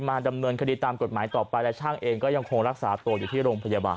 ดำเนินคดีตามกฎหมายต่อไปและช่างเองก็ยังคงรักษาตัวอยู่ที่โรงพยาบาล